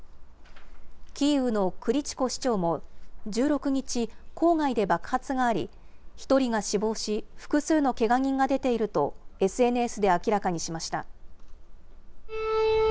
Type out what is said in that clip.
キーウのクリチコ市長も１６日、郊外で爆発があり、１人が死亡し、複数のけが人が出ていると、ＳＮＳで明らかにしました。